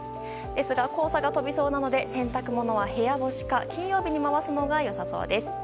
ですが黄砂が飛びそうなので洗濯物は部屋干しか金曜日に回すのがよさそうです。